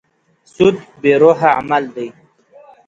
سود بې روحه عمل دی.